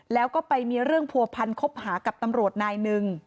แล้วก็ไปมีเรื่องผัวพันคบหากับตำรวจนายหนึ่ง